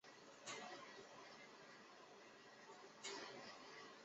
二甲基甲醯胺是利用甲酸和二甲基胺制造的。